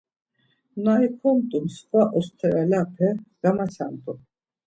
Na ikomt̆u mskva osteralepe gamaçamt̆u.